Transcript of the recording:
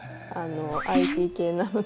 ＩＴ系なので。